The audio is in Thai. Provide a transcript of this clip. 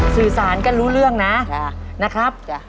สื่อสารกันรู้เรื่องนะนะครับ